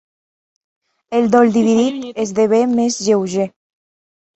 El dol dividit esdevé més lleuger.